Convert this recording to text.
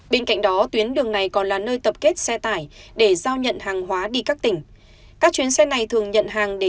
bên cạnh đó tuyến đường này còn là nơi tập kết xe tải để giao nhận hàng hóa đi các tỉnh